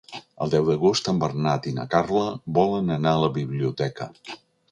El deu d'agost en Bernat i na Carla volen anar a la biblioteca.